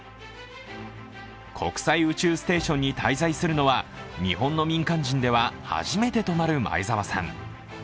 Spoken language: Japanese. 国際宇宙ステーションに滞在するのは日本の民間人では初めてとなる前澤さん。